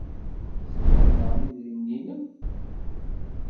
Tettuḍ daɣen idrimen-nnem?